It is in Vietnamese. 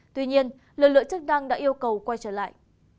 tuy nhiên lực lượng chức năng đã yêu cầu quay trở lại